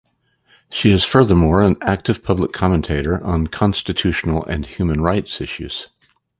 She is furthermore an active public commentator on constitutional and human rights issues.